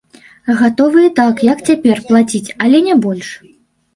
Гатовы і так, як цяпер, плаціць, але не больш.